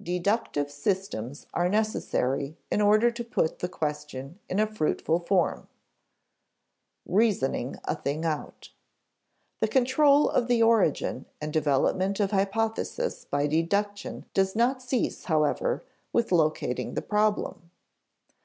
Deductive systems are necessary in order to put the question in a fruitful form. [Sidenote: "Reasoning a thing out"] The control of the origin and development of hypotheses by deduction does not cease, however, with locating the problem.